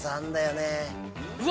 うわ！